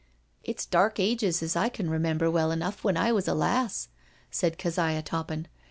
'* It's dark ages as I can remember well enough when I was a lass/' said Keziah Toppin.